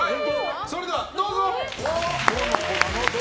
それでは、どうぞ！